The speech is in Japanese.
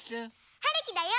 はるきだよ！